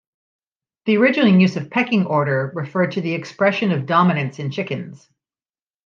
The original use of "pecking order" referred to the expression of dominance in chickens.